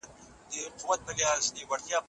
زدهکوونکي د ښوونځي له نظم نه خوښ دي.